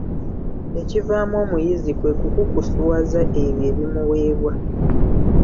Ekivaamu omuyizi kwe kukusuwaza ebyo ebimuweebwa.